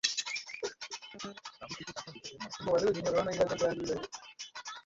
দাবিকৃত টাকা বিকাশের মাধ্যমে পরিশোধ করা হলেও ফয়সালকে ফেরত দেওয়া হয়নি।